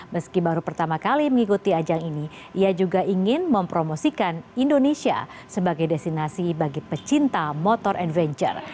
meski baru pertama kali mengikuti ajang ini ia juga ingin mempromosikan indonesia sebagai destinasi bagi pecinta motor adventure